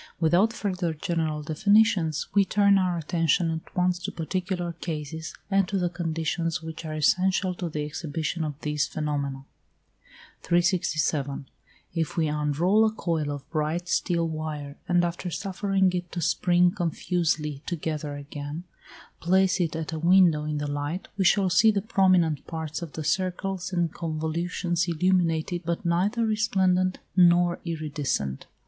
Without further general definitions, we turn our attention at once to particular cases, and to the conditions which are essential to the exhibition of these phenomena. 367. If we unroll a coil of bright steel wire, and after suffering it to spring confusedly together again, place it at a window in the light, we shall see the prominent parts of the circles and convolutions illumined, but neither resplendent nor iridescent.